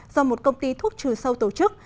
do một công ty thuốc trừ sâu tổ chức